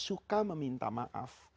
suka meminta maaf